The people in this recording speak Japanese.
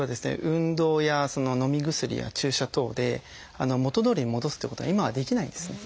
運動やのみ薬や注射等で元どおりに戻すっていうことが今はできないんですね。